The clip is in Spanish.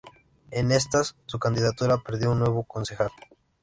En estas, su candidatura perdió un nuevo concejal.